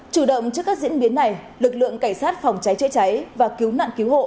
chủ động trước các diễn biến này lực lượng cảnh sát phòng cháy chữa cháy và cứu nạn cứu hộ